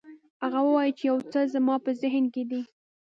هغه وویل چې یو څه زما په ذهن کې دي.